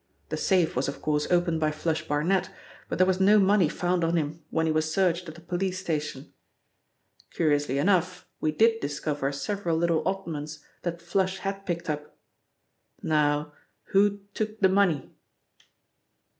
The safe was of course opened by 'Flush' Barnet, but there was no money found on him when he was searched at the police station. Curiously enough, we did discover several little oddments that 'Flush' had picked up now, who took the money?"